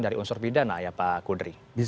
dari unsur pidana ya pak kudri